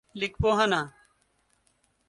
لیکپوهنه